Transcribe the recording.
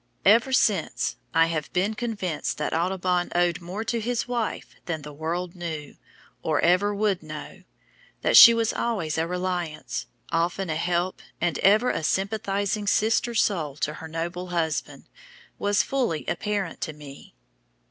Ever since, I have been convinced that Audubon owed more to his wife than the world knew, or ever would know. That she was always a reliance, often a help, and ever a sympathising sister soul to her noble husband, was fully apparent to me."